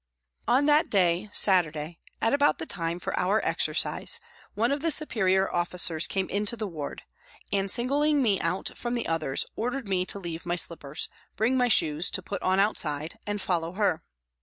On that day, Saturday, at about the time for our exercise, one of the superior officers came into the ward and, singling me out from the others, ordered me to leave my slippers, bring my shoes to put on outside and follow her.